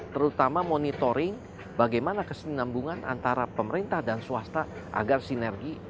terutama monitoring bagaimana kesenambungan antara pemerintah dan swasta agar sinergi